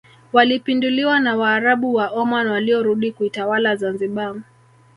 walipinduliwa na waarabu wa Oman waliorudi kuitawala Zanzibar